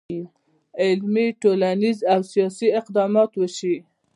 علمي، ټولنیز، او سیاسي اقدامات وشي.